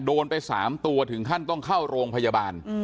โดนไป๓ตัวถึงขั้นต้องเข้าโรงพยาบาล